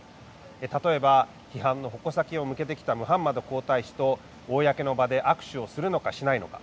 例えば、批判の矛先を向けてきたムハンマド皇太子と公の場で握手をするのかしないのか。